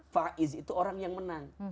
faiz itu orang yang menang